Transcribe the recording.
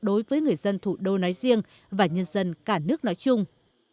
đối với người dân thủ đô nói riêng và nhân dân cả nước nói chung